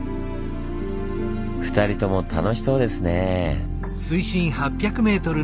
２人とも楽しそうですね。